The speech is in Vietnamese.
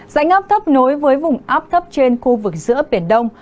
dãnh áp thấp nối với vùng áp thấp trên khu vực giữa biển đông